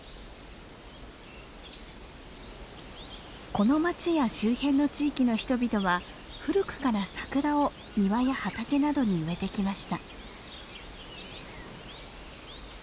この町や周辺の地域の人々は古くからサクラを庭や畑などに植えてきました。